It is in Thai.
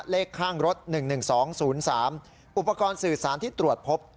เลขข้างรถหนึ่งหนึ่งสองศูนย์สามอุปกรณ์สื่อสารที่ตรวจพบ